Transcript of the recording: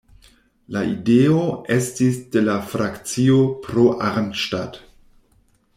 La ideo estis de la frakcio "Pro Arnstadt".